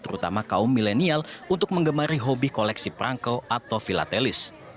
terutama kaum milenial untuk mengemari hobi koleksi perangko atau filattelis